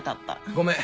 ごめん。